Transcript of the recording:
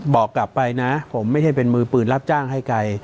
บอกกลับไปนะผมไม่ใช่เป็นมือปืนรับจ้างให้ไกล